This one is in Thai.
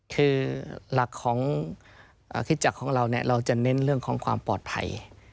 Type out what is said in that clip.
คือหลักของคริสจักรของเราเราจะเน้นเรื่องของความปลอดภัย